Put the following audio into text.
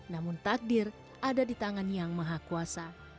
namun takdir ada di tangan yang maha kuasa